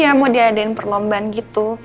iya mau diadain perlombaan gitu